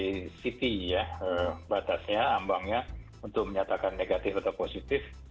ada yang menggunakan kata kalah nilai cp ya batasnya ambangnya untuk menyatakan negatif atau positif